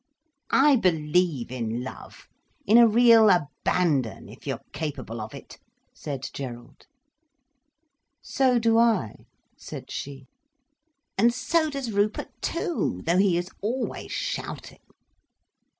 "I believe in love, in a real abandon, if you're capable of it," said Gerald. "So do I," said she. "And so does Rupert, too—though he is always shouting."